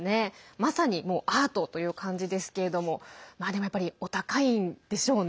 まさにアートという感じですけれどもでも、やっぱりお高いんでしょうね。